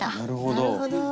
なるほど。